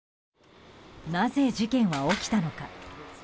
なぜ、事件は起きたのか。